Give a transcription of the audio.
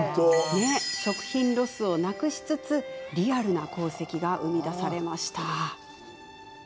食品ロスをなくしつつリアルな鉱石が生み出されました。